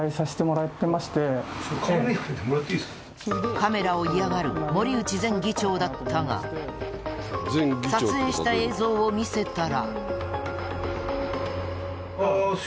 カメラを嫌がる森内前議長だったが撮影した映像を見せたら。